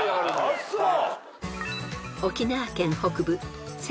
ああそう！